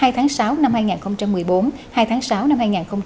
hai tháng sáu năm hai nghìn một mươi bốn hai tháng sáu năm hai nghìn một mươi sáu